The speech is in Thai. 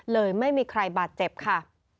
เลยไม่มีใครบาดเจ็บค่ะ